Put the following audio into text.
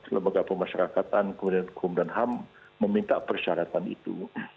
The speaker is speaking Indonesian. lembaga pemasyarakatan kemudian hukum dan ham meminta persyaratan itu